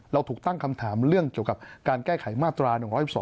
เราถูกตั้งคำถามเรื่องเกี่ยวกับการแก้ไขมาตรา๑๑๒